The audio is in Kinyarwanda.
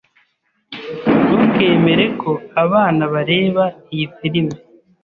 Ntukemere ko abana bareba iyi film.